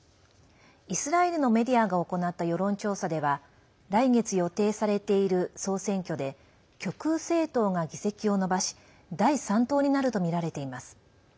イスラエルのメディアが行った世論調査では来月予定されている総選挙で極右政党が議席を伸ばし第３党になるとみられています。